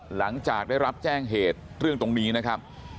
หลังจากได้รับแจ้งเหตุเรื่องตรงนี้นะครับ